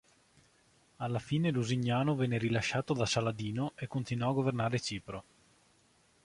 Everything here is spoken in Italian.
Alla fine Lusignano venne rilasciato da Saladino e continuò a governare Cipro.